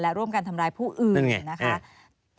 และร่วมกันทำร้ายผู้อื่นนะคะ